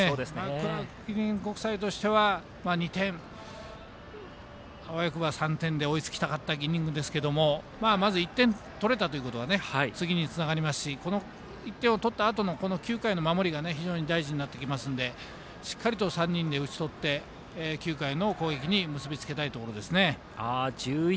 クラーク記念国際としては２点あわよくば３点で追いつきたかったイニングですけどまず１点取れたということが次につながりますしこの１点を取ったあとの９回の守りが非常に大事になってきますのでしっかりと３人で打ちとって９回の攻撃に結び付けたいところですね。